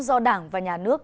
do đảng và nhà nước